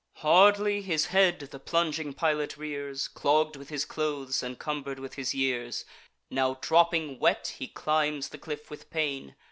Hardly his head the plunging pilot rears, Clogg'd with his clothes, and cumber'd with his years: Now dropping wet, he climbs the cliff with pain.